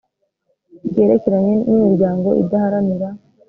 ryerekeranye n imiryango idaharanira